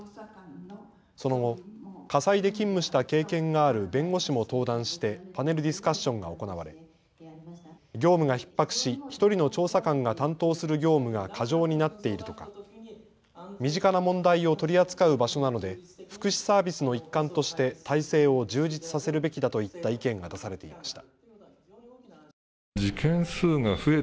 その後、家裁で勤務した経験がある弁護士も登壇してパネルディスカッションが行われ業務がひっ迫し１人の調査官が担当する業務が過剰になっているとか身近な問題を取り扱う場所なので福祉サービスの一環として体制を充実させるべきだといった意見が出されていました。